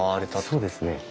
そうですね。